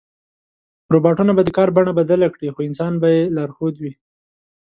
روباټونه به د کار بڼه بدله کړي، خو انسان به یې لارښود وي.